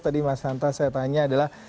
tadi mas hanta saya tanya adalah